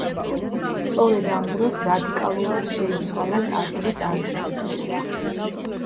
სწორედ ამ დროს რადიკალურად შეიცვალა ტაძრის არქიტექტურა.